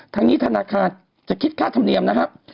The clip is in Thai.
ทางนี้ธนาคารจะคิดค่าธรรมเนียมนะครับ